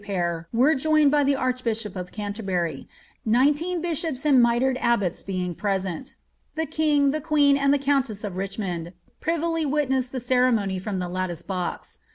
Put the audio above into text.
AQ pair were joineA by the archbishop of Canterbury, nineteen bishops and niitred abbots beings present The king, the queen, and the countess of Rirhmond, privily witnessed the ceremony from the latticed box.